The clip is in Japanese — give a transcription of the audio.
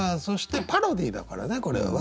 そしてパロディーだからねこれ。